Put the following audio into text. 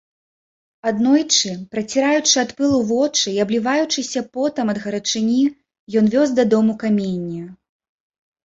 Аднойчы, праціраючы ад пылу вочы і абліваючыся потам ад гарачыні, ён вёз дадому каменне.